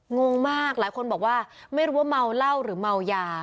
งงมากหลายคนบอกว่าไม่รู้ว่าเมาเหล้าหรือเมายา